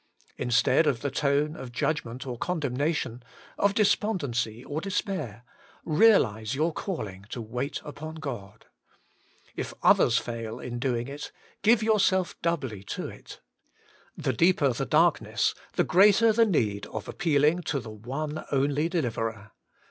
Instead of the tone of judgment or condemnation, of despondency or despair, realise your calling to wait upon God. If others fail in doing it, give yourself doubly to it. The deeper the darkness, the greater the need of appealing to the one only Deliverer.